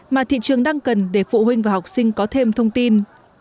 mà thị trường đang cần để phụ huynh và học sinh có thêm thông tin